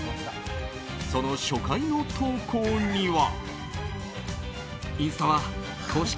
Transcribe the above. その初回の投稿には。